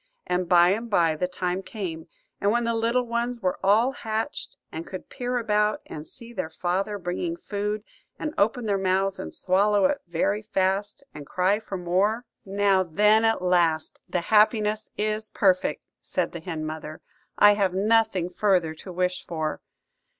And by and by the time came; and when the little ones were all hatched, and could peer about and see their father bringing food, and open their mouths and swallow it very fast, and cry for more,– "Now then, at last the happiness is perfect," said the hen mother; "I have nothing further to wish for."